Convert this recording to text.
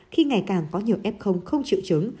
khi ngày càng có nhiều f không triệu chứng